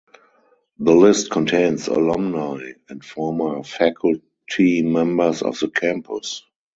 The list contains Alumni and former faculty members of the campus.